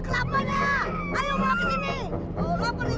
tangkis tangkis tangkis